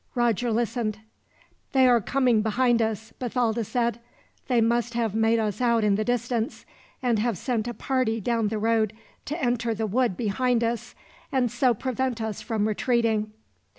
Roger listened. "They are coming behind us," Bathalda said. "They must have made us out in the distance, and have sent a party down the road to enter the wood behind us, and so prevent us from retreating."